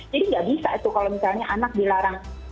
jadi gak bisa itu kalau misalnya anak dilarang